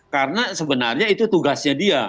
karena sebenarnya itu tugasnya dia